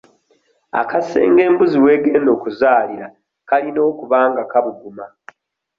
Akasenge embuzi w'egenda okuzaalira kalina okuba nga kabuguma.